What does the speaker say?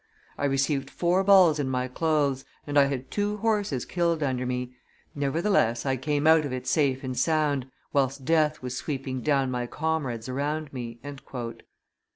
"I received four balls in my clothes, and I had two horses killed under me; nevertheless I came out of it safe and sound, whilst death was sweeping down my comrades around me."